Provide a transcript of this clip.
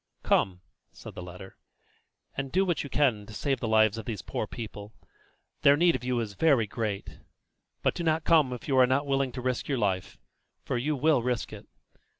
"Come," said the letter, "and do what you can to save the lives of these poor people their need of you is very great; but do not come if you are not willing to risk your life, for you will risk it.